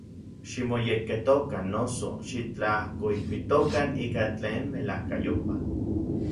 Ximoyekketokan, noso, xitlajkoilpitokan ika tlen melajkayopaj.